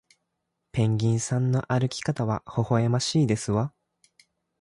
ペンギンさんの歩き方はほほえましいですわ